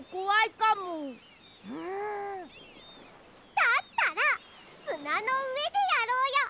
だったらすなのうえでやろうよ！